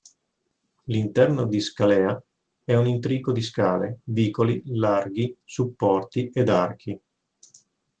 L’interno di Scalea è un intrico di scale, vicoli, larghi, supporti ed archi.